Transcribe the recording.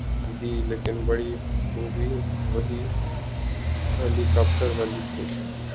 گی‘ لیکن بڑی خوبی وہی ہیلی کاپٹر والی تھی۔